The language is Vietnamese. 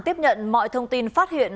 tiếp nhận mọi thông tin phát hiện